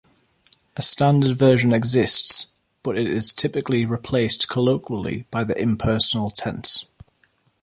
A standard version exists, but it is typically replaced colloquially by the impersonal tense.